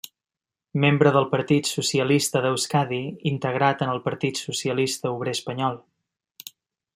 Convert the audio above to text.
Membre del Partit Socialista d'Euskadi integrat en el Partit Socialista Obrer Espanyol.